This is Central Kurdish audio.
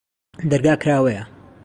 دەرگا کراوەیە؟